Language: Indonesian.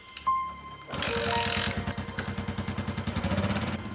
saya juga bawa banyak benda yang bisa dikonsumsi